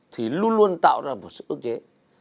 thì luôn luôn tạo ra một sự ước chế